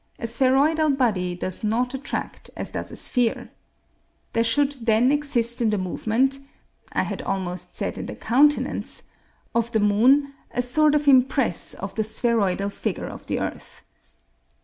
A spheroidal body does not attract as does a sphere. There should then exist in the movement I had almost said in the countenance of the moon a sort of impress of the spheroidal figure of the earth.